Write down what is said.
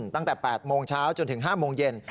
ตั้งแต่๘โมงเช้าจนถึง๕โมงเย็น